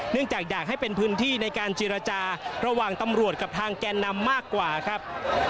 จากอยากให้เป็นพื้นที่ในการเจรจาระหว่างตำรวจกับทางแกนนำมากกว่าครับ